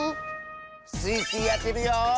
スイスイあてるよ！